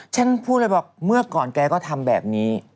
ฉันพูดเลยบอกเมื่อก่อนแกก็ทำแบบนี้